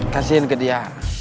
kasihin ke dia